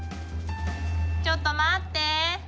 ちょっと待って。